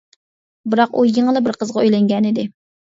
بىراق ئۇ يېڭىلا بىر قىزغا ئۆيلەنگەنىدى.